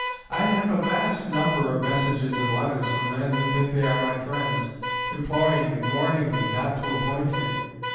I have a vast number of messages and letters from men who think they are my friends, imploring and warning me not to appoint him.